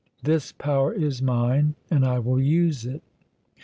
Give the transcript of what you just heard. This power is mine, and I will use it!"